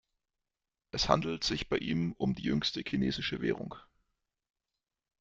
Es handelt sich bei ihm um die jüngste chinesische Währung.